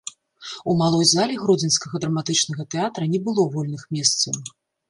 У малой зале гродзенскага драматычнага тэатра не было вольных месцаў.